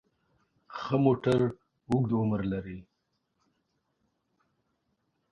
ښه موټر اوږد عمر لري.